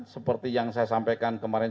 seperti yang saya sampaikan kemarin